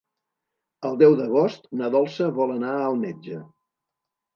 El deu d'agost na Dolça vol anar al metge.